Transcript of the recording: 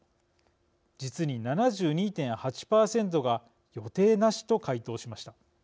実に７２．８％が「予定なし」と回答しました。